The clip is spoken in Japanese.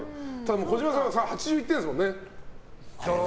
児嶋さんは８１点ですね。